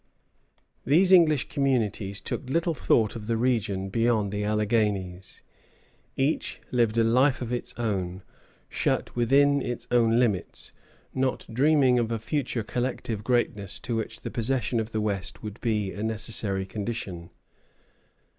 These English communities took little thought of the region beyond the Alleghanies. Each lived a life of its own, shut within its own limits, not dreaming of a future collective greatness to which the possession of the West would be a necessary condition.